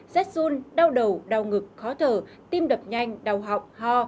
rét run đau đầu đau ngực khó thở tim đập nhanh đau họng ho